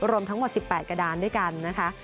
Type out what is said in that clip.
รวมทั้งหมด๑๘กระดานด้วยกันนะคะ